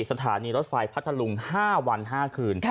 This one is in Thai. สถานีรถไฟพัทธลุง๕วัน๕คืน